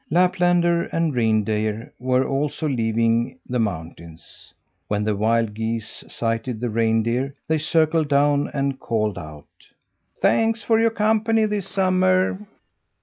Laplander and reindeer were also leaving the mountains. When the wild geese sighted the reindeer, they circled down and called out: "Thanks for your company this summer!"